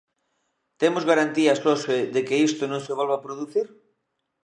¿Temos garantías hoxe de que isto non se volva producir?